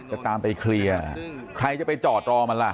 จะตามไปเคลียร์ใครจะไปจอดรอมันล่ะ